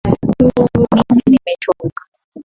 Mimi nimechoka